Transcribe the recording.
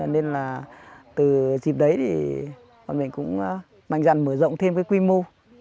nên là từ dịp đấy thì mình cũng mạnh dạng mở rộng thêm cái quy mô